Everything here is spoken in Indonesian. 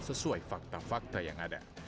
sesuai fakta fakta yang ada